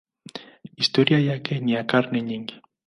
Historia yake ni ya karne nyingi.